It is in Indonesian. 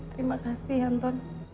terima kasih anton